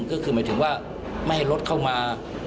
ก็คือหมายถึงว่าไม่ให้รถเข้ามา